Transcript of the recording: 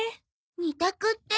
二択って？